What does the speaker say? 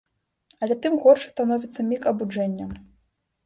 Але тым горшы становіцца міг абуджэння.